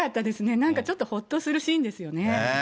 なんかちょっと、ほっとするシーンですよね。